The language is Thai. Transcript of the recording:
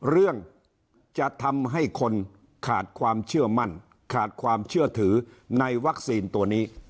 เรื่องจะทำให้คนขาดความเชื่อมั่นขาดความเชื่อถือในวัคซีนตัวนี้